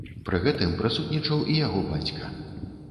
Пры гэтым прысутнічаў і яго бацька.